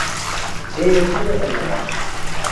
Теве тидӹ ӹлӹмӓш!